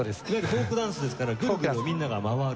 フォークダンスですからグルグルみんなが回る。